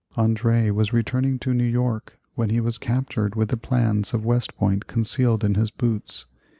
André was returning to New York when he was captured with the plans of West Point concealed in his boots.